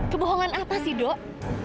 kebohongan apa sih dok